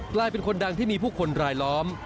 กลายเป็นคนดังที่มีผู้คนรายล้อม